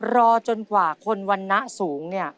รอจนกว่าคนวันนะสูงเนี่ย